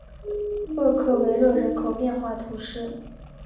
厄克维勒人口变化图示